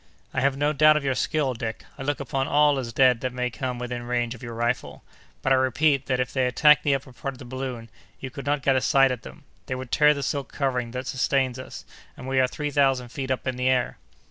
"I have no doubt of your skill, Dick; I look upon all as dead that may come within range of your rifle, but I repeat that, if they attack the upper part of the balloon, you could not get a sight at them. They would tear the silk covering that sustains us, and we are three thousand feet up in the air!"